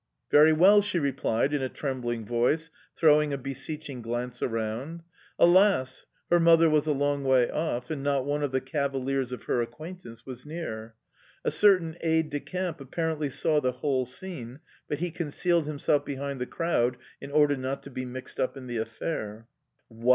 "Very well!" she replied in a trembling voice, throwing a beseeching glance around. Alas! Her mother was a long way off, and not one of the cavaliers of her acquaintance was near. A certain aide de camp apparently saw the whole scene, but he concealed himself behind the crowd in order not to be mixed up in the affair. "What?"